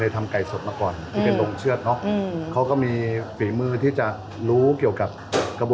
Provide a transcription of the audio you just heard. ถ้าเมื่อไหรกันเขาพร้อม